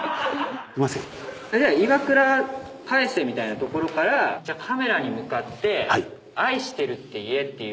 イワクラ返せみたいなところからカメラに向かって「『愛してる』って言え」っていう。